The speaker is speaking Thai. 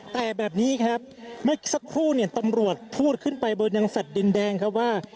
แต่แบบนี้ครับเมื่อสักครู่เนี่ยตำรวจพูดขึ้นไปบนยังแฟลต์ดินแดงครับว่า